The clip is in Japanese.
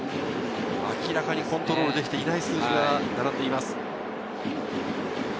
明らかにコントロールできていない数字が並んでいます。